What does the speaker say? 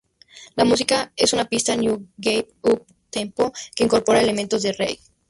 La música es una pista "new wave uptempo" que incorpora elementos del "reggae".